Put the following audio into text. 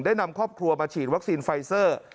นำครอบครัวมาฉีดวัคซีนไฟเซอร์